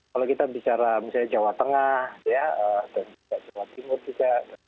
kalau kita bicara misalnya jawa tengah dan juga jawa timur juga